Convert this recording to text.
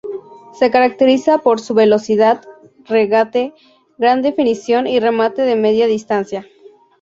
Se caracteriza por su velocidad, regate, gran definición y remate de media distancia.